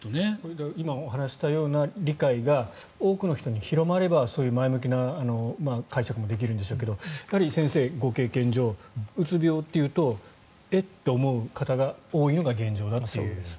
今お話ししたような理解が多くの人に広まればそういう前向きな解釈もできるんでしょうけど先生、ご経験上うつ病と言うとえって思う方が多いのが現状だという。